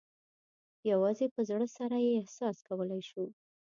یوازې په زړه سره یې احساس کولای شو.